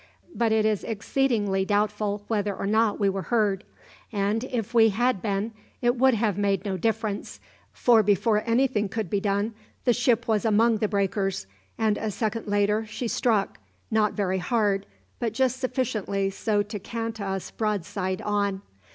but it is exceedingly doubtful whether or not we were heard, and if we had been, it would have made no difference, for before anything could be done the ship was among the breakers, and a second later she struck, not very hard, but just sufficiently so to cant us broadside on.